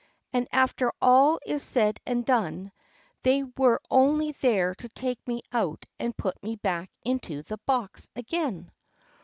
And after all is said and done, they were only there to take me out and put me back into the box again."